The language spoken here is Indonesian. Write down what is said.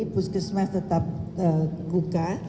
puskesmas tetap buka